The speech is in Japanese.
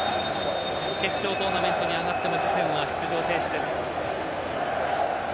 決勝トーナメントに上がっても次戦は出場停止です。